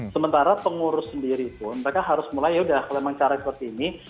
sementara pengurus sendiri pun mereka harus mulai yaudah kalau memang cara seperti ini